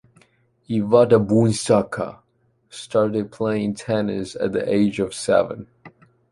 Iveta Benešová started playing tennis at the age of seven.